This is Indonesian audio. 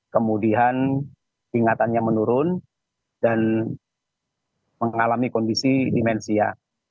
kemudian tingkatannya menurun dan mengalami kondisi demensia